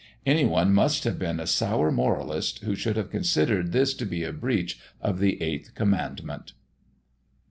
Any one must have been a sour moralist who should have considered this to be a breach of the eighth commandment.